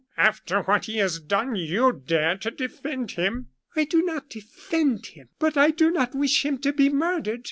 after what he has done you dare to defend him?" "I do not defend him; but I do not wish him to be murdered."